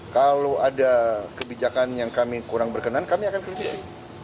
kalau ada kebijakan yang kami kurang berkenan kami akan kritisi